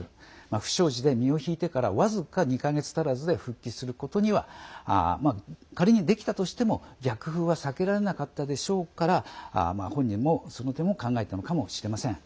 不祥事で身を引いてから僅か２か月足らずで復帰することには仮にできたとしても、逆風は避けられなかったでしょうから本人もその点を考えたのかもしれません。